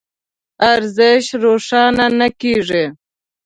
ارزش روښانه نه کېږي.